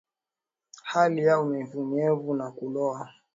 Hali ya unyevuvyevu na kuloa